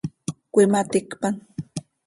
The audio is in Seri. Cöimaticpan.